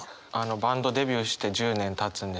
バンドデビューして１０年たつんですけど